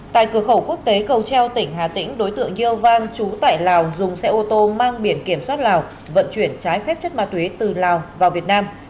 tại cửa khẩu quốc tế cầu treo tỉnh hà tĩnh đối tượng yeo van chú tại lào dùng xe ô tô mang biển kiểm soát lào vận chuyển trái phép chất ma túy từ lào vào việt nam